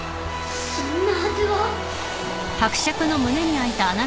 そんなはずは。